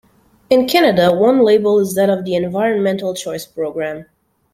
In Canada, one label is that of the Environmental Choice Program.